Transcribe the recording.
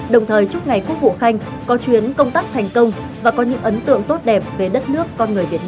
đồng thời chúc ngày quốc vụ khanh có chuyến công tác thành công và có những ấn tượng tốt đẹp về đất nước